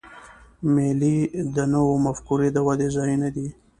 مېلې د نوو مفکورې د ودي ځایونه دي.